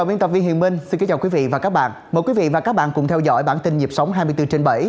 xin chào quý vị và các bạn mời quý vị và các bạn cùng theo dõi bản tin nhịp sống hai mươi bốn h bảy